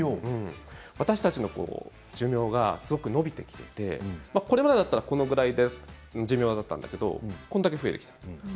私たちの寿命はすごく伸びてきていてこれまでだったら、このぐらいの寿命だったんだけど増えてきた。